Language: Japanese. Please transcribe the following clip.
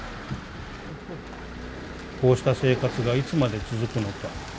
「こうした生活がいつまで続くのか。